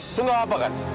kau gak apa apa kan